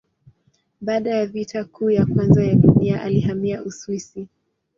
Baada ya Vita Kuu ya Kwanza ya Dunia alihamia Uswisi.